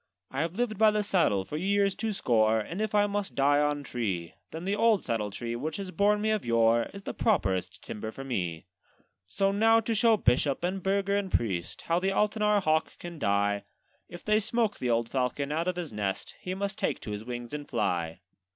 'I have lived by the saddle for years two score; And if I must die on tree, Then the old saddle tree, which has borne me of yore, Is the properest timber for me. 'So now to show bishop, and burgher, and priest, How the Altenahr hawk can die: If they smoke the old falcon out of his nest, He must take to his wings and fly.'